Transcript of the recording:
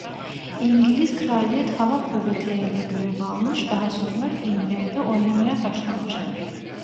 İngiliz Kraliyet Hava Kuvvetleri'nde görev almış daha sonra filmlerde oynamaya başlamıştır.